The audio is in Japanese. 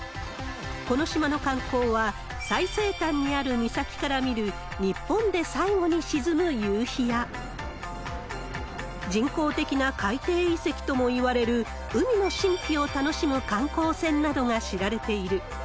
この島の観光は、最西端にある岬から見る、日本で最後に沈む夕陽や人工的な海底遺跡ともいわれる海の神秘を楽しむ観光船などが知られている。